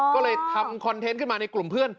ก็เลยทำคอนเทนต์ขึ้นมาในกลุ่มเพื่อน